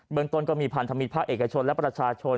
เมืองต้นก็มีพันธมิตรภาคเอกชนและประชาชน